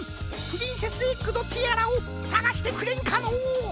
プリンセスエッグのティアラをさがしてくれんかのう。